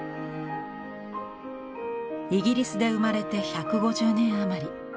イギリスで生まれて１５０年余り。